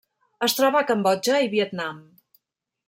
Es troba a Cambodja i Vietnam.